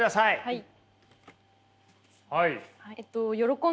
はい。